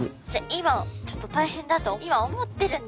今ちょっと大変だと今思ってるんだ。